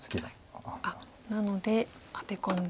なのでアテ込んで。